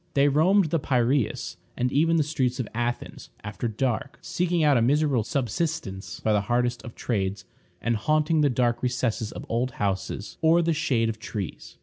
They roamed the Piræus, and even the streets of Athens, after dark, eking out a miserable subsistence by the hardest of trades, and haunting the dark recesses of old houses or the shade of trees.